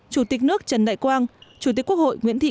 chủ tịch nước trần đại quang chủ tịch quốc hội nguyễn thị